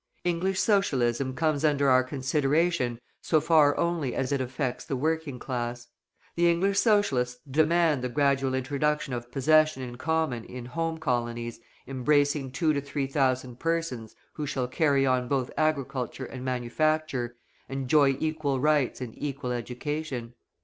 English Socialism comes under our consideration so far only as it affects the working class. The English Socialists demand the gradual introduction of possession in common in home colonies embracing two to three thousand persons who shall carry on both agriculture and manufacture and enjoy equal rights and equal education.